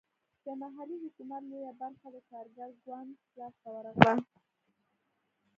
د محلي حکومت لویه برخه د کارګر ګوند لاسته ورغله.